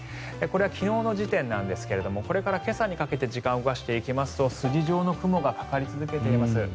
これは昨日の時点ですがこれから今朝にかけて時間を動かしていきますと筋状の雲がかかり続けています。